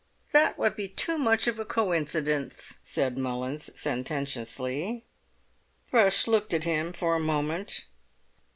"That would be too much of a coincidence," said Mullins, sententiously. Thrush looked at him for a moment.